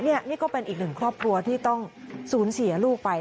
นี่ก็เป็นอีกหนึ่งครอบครัวที่ต้องสูญเสียลูกไป